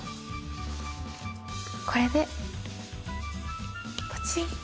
これでポチッ。